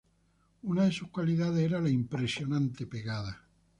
Una de sus cualidades era la impresionante pegada.